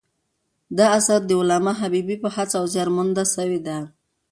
دا اثر د علامه حبیبي په هڅه او زیار مونده سوی دﺉ.